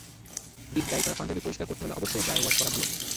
Deep dye করা পাঞ্জাবি পরিষ্কার করতে হলে অবশ্যই ড্রাই ওয়াশ করা ভালো।